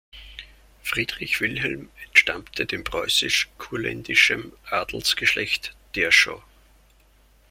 Friedrich Wilhelm entstammte dem preußisch-kurländischem Adelsgeschlecht Derschau.